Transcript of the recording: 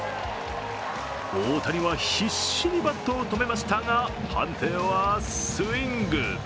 大谷は必死にバットを止めましたが判定はスイング。